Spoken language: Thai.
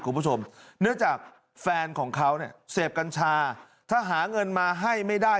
คุณผู้ชมเนื่องจากแฟนของเขาเนี่ยเสพกัญชาถ้าหาเงินมาให้ไม่ได้